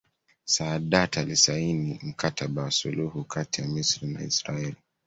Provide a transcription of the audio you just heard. Saadat alisaini Mkataba wa suluhu kati ya Misri na Israeli